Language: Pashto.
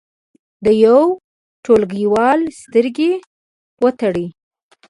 د یو ټولګیوال سترګې وتړئ.